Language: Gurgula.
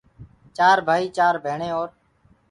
چار ڀائيٚ، چآر ڀيڻي اور